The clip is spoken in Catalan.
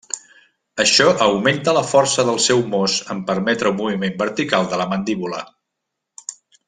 Això augmenta la força del seu mos en permetre un moviment vertical de la mandíbula.